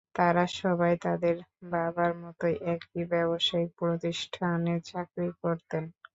তাঁরা সবাই তাঁদের বাবার মতো একই ব্যবসায়িক প্রতিষ্ঠানে চাকরি করতেন।